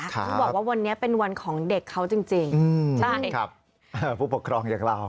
เขาบอกว่าวันนี้เป็นวันของเด็กเขาจริงใช่ครับผู้ปกครองอย่างเรา